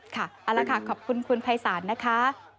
ค่ะเอาละค่ะขอบคุณคุณภัยศาลนะคะ